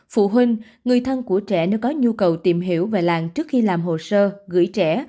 phụ huynh người thân của trẻ nếu có nhu cầu tìm hiểu về làng trước khi làm hồ sơ gửi trẻ